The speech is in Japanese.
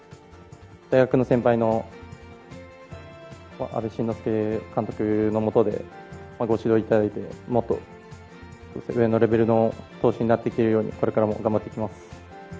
大学の先輩の阿部慎之助監督の下で、ご指導いただいて、もっと上のレベルの投手になっていけるように、これからも頑張っ